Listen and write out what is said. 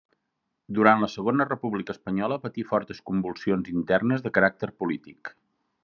Durant la Segona República Espanyola patí fortes convulsions internes de caràcter polític.